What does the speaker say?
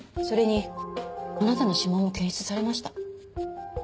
それにあなたの指紋も検出されました。